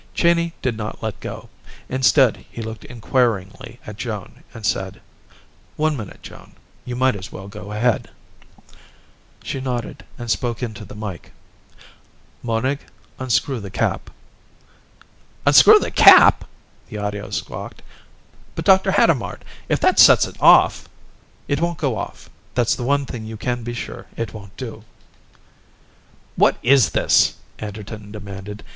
Cheyney did not let go; instead, he looked inquiringly at Joan and said, "One minute, Joan. You might as well go ahead." She nodded and spoke into the mike. "Monig, unscrew the cap." "Unscrew the cap?" the audio squawked. "But Dr. Hadamard, if that sets it off " "It won't go off. That's the one thing you can be sure it won't do." "What is this?" Anderton demanded.